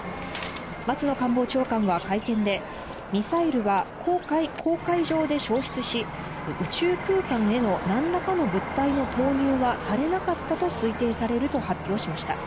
松野官房長官は会見でミサイルは、黄海上で消失し、宇宙空間への何らかの物体の投入はされなかったと推定されると発表しました。